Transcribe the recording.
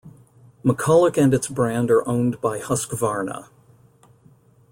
McCulloch and its brand are owned by Husqvarna.